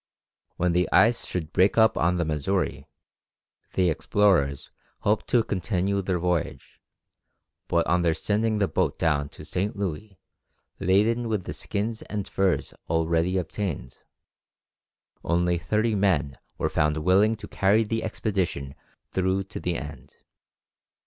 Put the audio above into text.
When the ice should break up on the Missouri, the explorers hoped to continue their voyage; but on their sending the boat down to St. Louis, laden with the skins and furs already obtained, only thirty men were found willing to carry the expedition through to the end.